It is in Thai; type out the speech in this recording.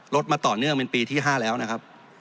มาต่อเนื่องเป็นปีที่๕แล้วนะครับ